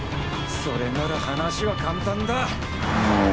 それなら話は簡単だ。